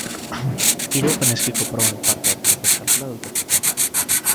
Iraupen eskiko proban parte hartzeko txartela dute jokoan.